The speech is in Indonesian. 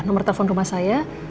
nomer telepon rumah saya